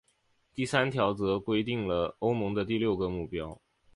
第三条则规定了欧盟的六个目标。